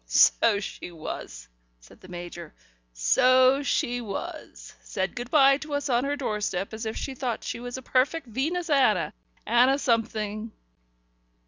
"So she was," said the Major. "So she was. Said good bye to us on her doorstep as if she thought she was a perfect Venus Ana Ana something."